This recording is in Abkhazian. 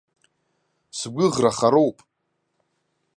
Сгәыӷра хароуп.